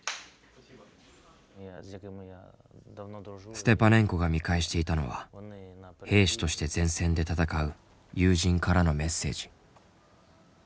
ステパネンコが見返していたのは兵士として前線で戦う友人からのメッセージ。